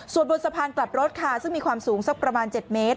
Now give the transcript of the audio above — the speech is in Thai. ส่วนบนสะพานกลับรถค่ะซึ่งมีความสูงสักประมาณ๗เมตร